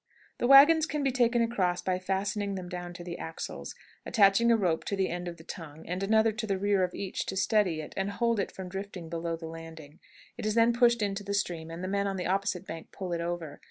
The wagons can be taken across by fastening them down to the axles, attaching a rope to the end of the tongue, and another to the rear of each to steady it and hold it from drifting below the landing. It is then pushed into the stream, and the men on the opposite bank pull it over.